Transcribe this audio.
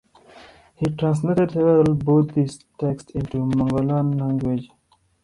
He translated several Buddhist texts into Mongolian language.